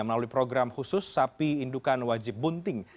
melalui program khusus sapi indukan wajib bunting